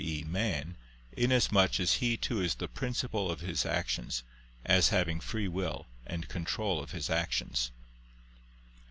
e. man, inasmuch as he too is the principle of his actions, as having free will and control of his actions.